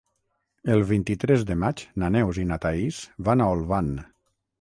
El vint-i-tres de maig na Neus i na Thaís van a Olvan.